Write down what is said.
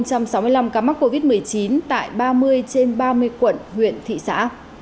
trong sáu mươi năm ca mắc covid một mươi chín tại ba mươi trên ba mươi quận huyện thị xã